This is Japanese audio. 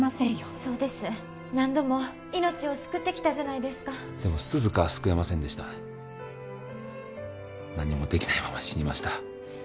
そうです何度も命を救ってきたじゃないですかでも涼香は救えませんでした何もできないまま死にました